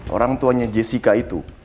orang tuanya jessica itu